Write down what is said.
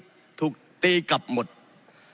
ตามน้ำหนุนกำหนดคือมากกว่า๕หมื่นชื่อ